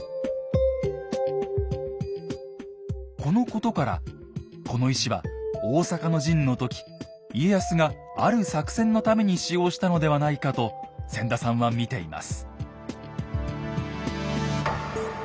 このことからこの石は大坂の陣の時家康がある作戦のために使用したのではないかと千田さんは見ています。